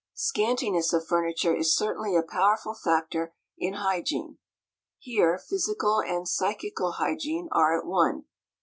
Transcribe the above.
Scantiness of furniture is certainly a powerful factor in hygiene; here physical and psychical hygiene are at one.